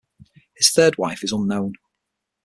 His third wife is unknown.